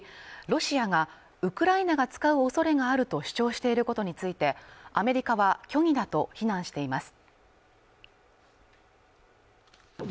ロシアがウクライナが使う恐れがあると主張していることについてアメリカは虚偽だと非難しています